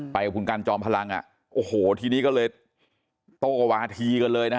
ไปกับคุณกันจอมพลังอ่ะโอ้โหทีนี้ก็เลยโตวาธีกันเลยนะฮะ